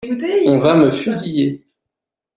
On va me fusiller.